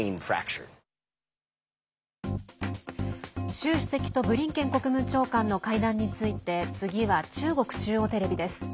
習主席とブリンケン国務長官の会談について次は中国中央テレビです。